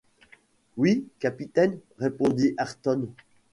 Oui, capitaine, répondit Ayrton.